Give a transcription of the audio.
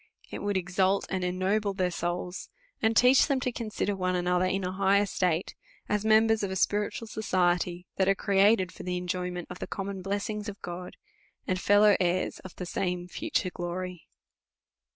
It would ex alt and ennoble their souls, and teach them to consider one another in a higher state, as members of a spiritual u 4 296 A SERIOUS CALL TO A society, that are created for the enjoyment of the com mon blessings of God, and fellow heirs of the same future glory.